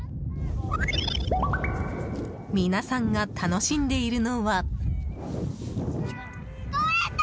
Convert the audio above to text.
皆さんが楽しんでいるのは。